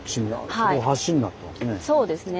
そこそうですね。